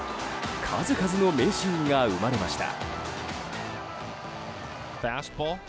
数々の名シーンが生まれました。